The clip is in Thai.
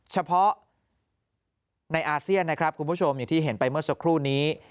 เฉพาะในอาเซียนนะครับคุณผู้ชมอย่างที่เห็นไปเมื่อสักครู่นี้